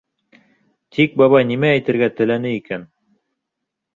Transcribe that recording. Тик бабай нимә әйтергә теләне икән?